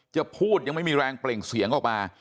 จะพูดยังไม่มีแรงเปล่งเสียงออกมา